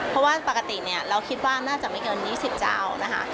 เพราะว่าปกติเนี่ยเราคิดว่าน่าจะไม่เกิน๒๐เจ้านะคะ